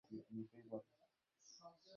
তুইও তো ওকে নিবি না।